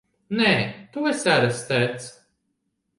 Nē! Tu esi arestēts!